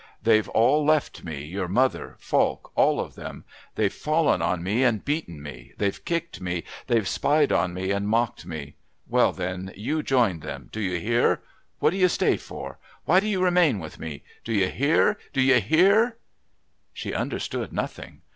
They've all left me, your mother, Falk, all of them. They've fallen on me and beaten me. They've kicked me. They've spied on me and mocked me. Well, then, you join them. Do you hear? What do you stay for? Why do you remain with me? Do you hear? Do you hear?" She understood nothing.